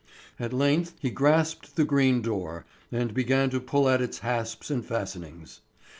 At length he grasped the green door and began to pull at its hasps and fastenings.